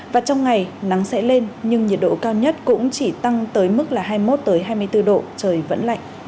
và trong ngày nắng sẽ lên nhưng nhiệt độ cao nhất cũng chỉ tăng tới mức là hai mươi một hai mươi bốn độ trời vẫn lạnh